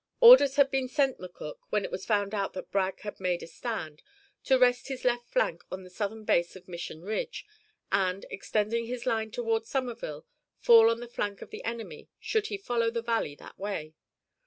Orders had been sent McCook, when it was found that Bragg had made a stand, to rest his left flank on the southern base of Mission Ridge, and, extending his line toward Summerville, fall on the flank of the enemy should he follow the valley that way.